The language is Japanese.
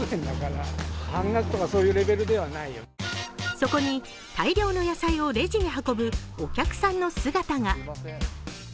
そこに大量の野菜をレジに運ぶお客さんの姿が。